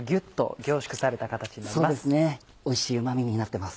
おいしいうま味になってます。